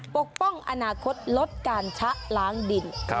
ปกป้องอนาคตลดการชะล้างดิน